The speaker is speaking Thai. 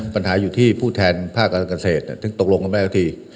ปัญหาอยู่ที่ผู้แทนภาคกเศรษที่ตกลงไม่ได้ที